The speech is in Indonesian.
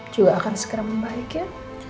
juga akan segera membaik ya